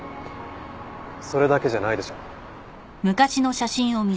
それだけじゃないでしょう？